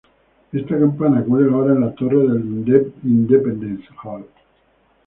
Esta campana cuelga ahora en la torre del Independence Hall.